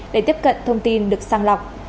để tiếp cận thông tin được sang lọc